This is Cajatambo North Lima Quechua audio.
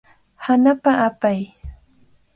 Hanapa hapay.